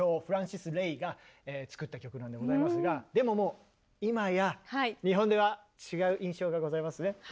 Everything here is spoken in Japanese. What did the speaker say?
フランシス・レイが作った曲なんでございますがでももう今や日本では違う印象がございますね。